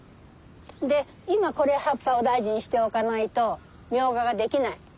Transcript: で今葉っぱを大事にしておかないとミョウガが出来ない。